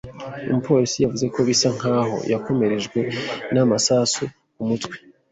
Umupolisi yavuze ko bisa nkaho yakomerekejwe n’amasasu ku mutwe.